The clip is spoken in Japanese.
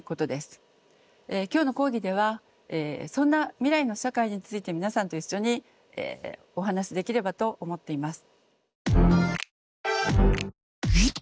今日の講義ではそんな未来の社会について皆さんと一緒にお話しできればと思っています。